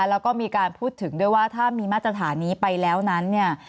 แล้วก็มีการพูดถึงด้วยว่าถ้ามีมาตรฐานนี้ไปแล้วนั้นเนี่ย